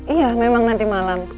iya memang nanti malam